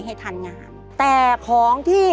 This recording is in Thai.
ให้ทันงานแต่ของที่